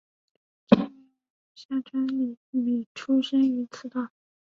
知名人物夏川里美出身于此岛。